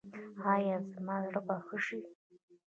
ایا زما زړه به ښه شي؟